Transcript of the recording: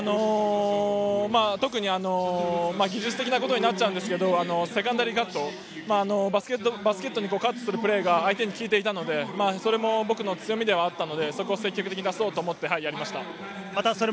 特に技術的なことになるんですけれども、セカンダリーカット、バスケットにカットするプレーが相手に効いていたので、それも僕の強みではあったので、そこを積極的に出そうと思ってやりました。